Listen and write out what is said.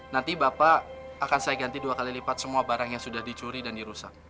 nanti bapak akan saya ganti dua kali lipat semua barang yang sudah dicuri dan dirusak